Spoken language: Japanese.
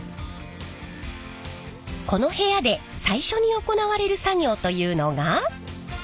この部屋で最初に行われる作業というのが。